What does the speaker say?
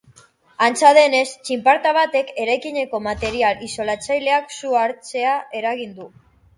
Antza denez, txinparta batek eraikineko material isolatzaileak sua hartzea eragin du.